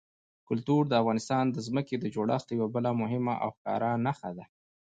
کلتور د افغانستان د ځمکې د جوړښت یوه بله مهمه او ښکاره نښه ده.